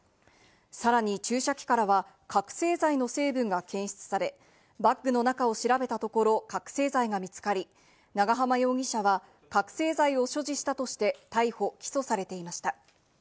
さらに注射器からは覚せい剤の成分が検出され、バッグの中を調べたところ、覚醒剤が見つかり、長浜容疑者は覚せい剤を所持したとして逮捕・起訴されていました。